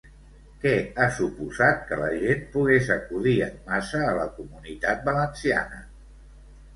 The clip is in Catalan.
Què ha suposat que la gent pogués acudir en massa a la Comunitat Valenciana?